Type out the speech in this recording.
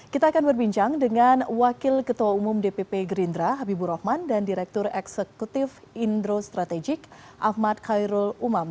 kita akan berbincang dengan wakil ketua umum dpp gerindra habibur rahman dan direktur eksekutif indro strategik ahmad khairul umam